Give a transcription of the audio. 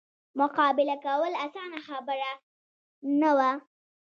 مقابله کول اسانه خبره نه وه.